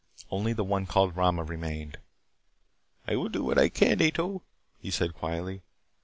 Only the one called Rama remained. "I will do what I can, Ato," he said quietly.